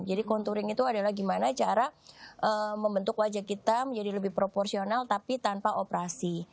jadi contouring itu adalah gimana cara membentuk wajah kita menjadi lebih proporsional tapi tanpa operasi